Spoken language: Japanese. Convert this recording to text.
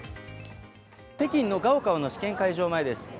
北京の高考の試験会場前です。